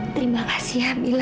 terima kasih ya mila